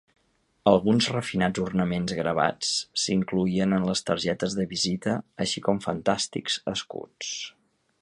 Alguns refinats ornaments gravats s'incloïen en les targetes de visita així com fantàstics escuts.